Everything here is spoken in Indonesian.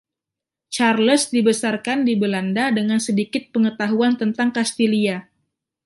Charles dibesarkan di Belanda dengan sedikit pengetahuan tentang Kastilia.